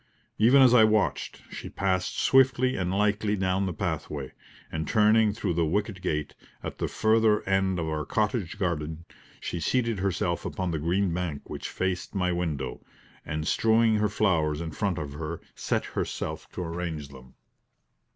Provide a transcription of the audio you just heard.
Even as I watched, she passed swiftly and lightly down the pathway, and turning through the wicket gate, at the further end of our cottage garden, she seated herself upon the green bank which faced my window, and strewing her flowers in front of her, set herself to arrange them.